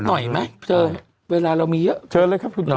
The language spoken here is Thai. หน่อยไหมเจอเวลาเรามีเยอะเชิญเลยครับคุณหมอ